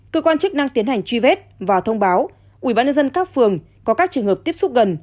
cơ quan chức năng tiến hành truy vết và thông báo ủy ban dân các phường có các trường hợp tiếp xúc gần